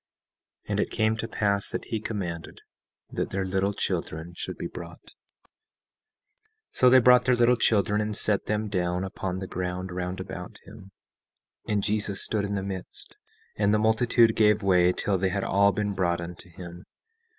17:11 And it came to pass that he commanded that their little children should be brought. 17:12 So they brought their little children and set them down upon the ground round about him, and Jesus stood in the midst; and the multitude gave way till they had all been brought unto him.